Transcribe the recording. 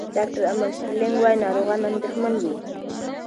ډاکټر امل سټرلینګ وايي، ناروغان اندېښمن وي.